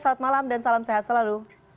selamat malam dan salam sehat selalu